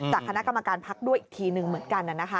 คณะกรรมการพักด้วยอีกทีหนึ่งเหมือนกัน